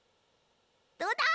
どうだ！？